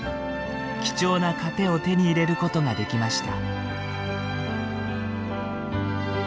貴重な糧を手に入れることができました。